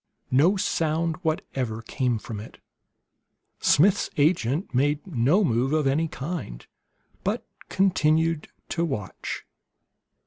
No sound whatever came from it. Smith's agent made no move of any kind, but continued to watch.